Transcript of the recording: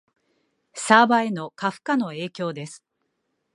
サーバへの過負荷の影響です